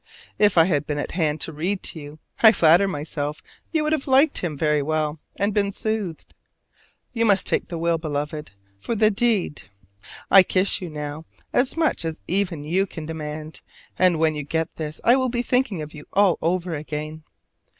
If I had been at hand to read to you, I flatter myself you would have liked him well, and been soothed. You must take the will, Beloved, for the deed. I kiss you now, as much as even you can demand; and when you get this I will be thinking of you all over again.